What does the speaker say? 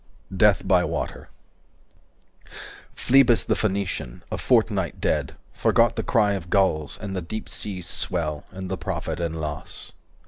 DEATH BY WATER Phlebas the Phoenician, a fortnight dead, Forgot the cry of gulls, and the deep seas swell And the profit and loss.